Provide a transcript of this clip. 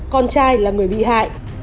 con trai là người bị hại